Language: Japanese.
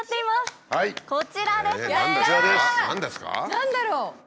何だろう？